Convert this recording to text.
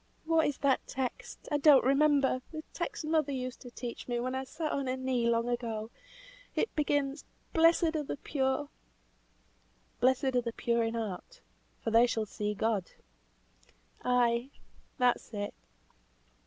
What is that text, I don't remember, that text mother used to teach me when I sat on her knee long ago; it begins, 'Blessed are the pure'" "Blessed are the pure in heart, for they shall see God." "Ay, that's it!